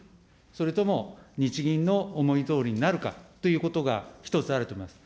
それとも日銀の思いどおりになるかということが一つあると思います。